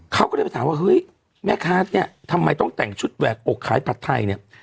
เขาก็เลยไปถามว่าเฮ้ยแม่ค้าเนี่ยทำไมต้องแต่งชุดแหวกอกขายผัดไทยเนี่ย